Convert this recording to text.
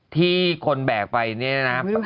ที่ขนแบบไปนี่นะนะ